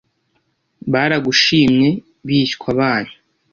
baragushimye bishywa banyu